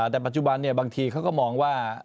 แต่ปัจจุบันบางทีเขาก็มองว่า